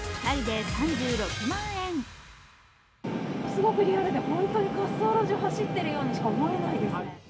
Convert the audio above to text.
すごくリアルで本当に滑走路上を走っているようにしか見えないですね。